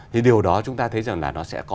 thì điều đó chúng ta thấy rằng là nó sẽ có